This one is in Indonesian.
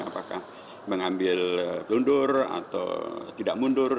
apakah mengambil mundur atau tidak mundur